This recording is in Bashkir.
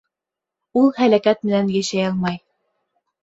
Ул һәләкәт менән йәшәй алмай.